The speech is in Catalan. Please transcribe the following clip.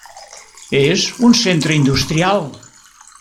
És un centre industrial.